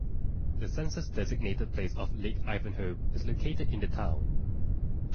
The census-designated place of Lake Ivanhoe is located in the town.